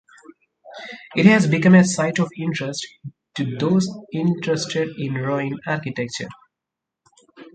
It has become a site of interest to those interested in ruined architecture.